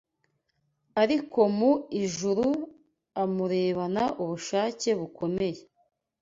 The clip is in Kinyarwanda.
ari mu ijuru amurebana ubushake bukomeye